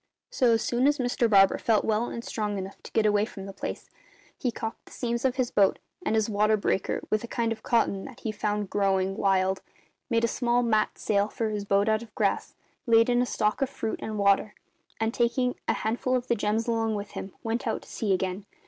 "So as soon as Mr Barber felt well and strong enough to get away from the place, he caulked the seams of his boat, and his water breaker, with a kind of cotton that he found growing wild, made a mat sail for his boat out of grass, laid in a stock of fruit and water, and, taking a handful of the gems along with him, went out to sea again.